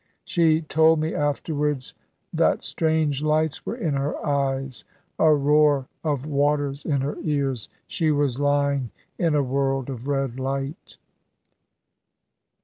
She told me afterwards that strange lights were in her eyes, a roar of waters in her ears. She was lying in a world of red light."